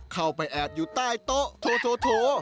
เข้าไปแอดอยู่ใต้โต๊ะถูดี